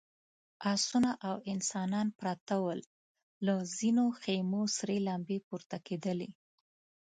آسونه او انسانان پراته ول، له ځينو خيمو سرې لمبې پورته کېدلې….